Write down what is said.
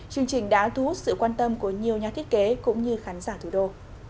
chương trình đã thu hút sự quan tâm của nhiều nhà thiết kế cũng như khán giả thủ đô